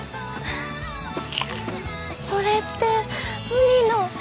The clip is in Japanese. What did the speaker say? それって海の。